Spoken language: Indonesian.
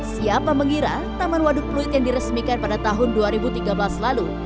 siapa mengira taman waduk pluit yang diresmikan pada tahun dua ribu tiga belas lalu